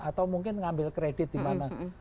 atau mungkin ngambil kredit dimana